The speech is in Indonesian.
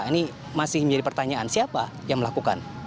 ini masih menjadi pertanyaan siapa yang melakukan